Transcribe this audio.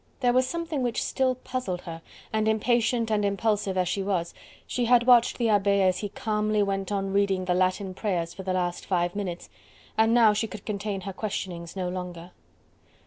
There was something which still puzzled her, and impatient and impulsive as she was, she had watched the abbe as he calmly went on reading the Latin prayers for the last five minutes, and now she could contain her questionings no longer.